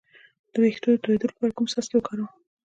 د ویښتو د تویدو لپاره کوم څاڅکي وکاروم؟